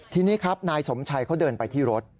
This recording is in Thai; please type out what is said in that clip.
ทีนี้ครับนายสมชัยเขาเดินไปที่รถ